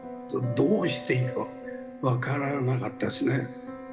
どうしていいか分からなかったですね。